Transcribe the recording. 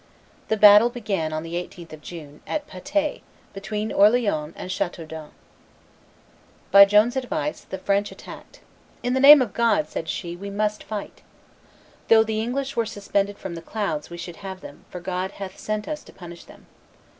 The battle began on the 18th of June, at Patay, between Orleans and Chateaudun. By Joan's advice, the French attacked. "In the name of God," said she, "we must fight. Though the English were suspended from the clouds, we should have them, for God hath sent us to punish them.